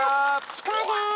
チコです。